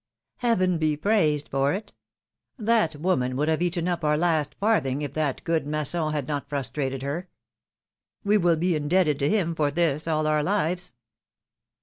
Heaven be praised for it! That woman would have eaten up our last farthing if that good Masson had not frustrated her. We will be indebted to him for this all our lives.